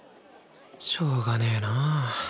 しょうがねえなぁ